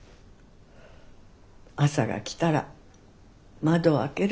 朝が来たら窓を開ける。